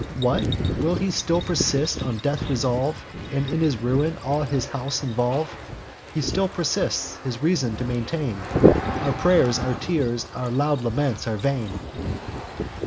'What, will he still persist, on death resolve, And in his ruin all his house involve!' He still persists his reasons to maintain; Our pray'rs, our tears, our loud laments, are vain.